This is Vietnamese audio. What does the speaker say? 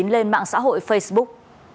lên mạng xã hội facebook